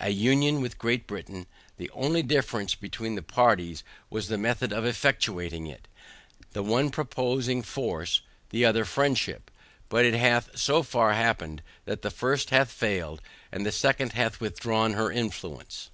a union with Great Britain; the only difference between the parties was the method of effecting it; the one proposing force, the other friendship; but it hath so far happened that the first hath failed, and the second hath withdrawn her influence.